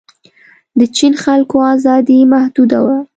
د چین خلکو ازادي محدوده ده.